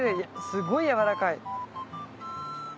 すごい軟らかい。